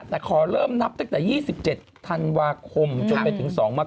ปีนี้ก็๕วันทั้งหมด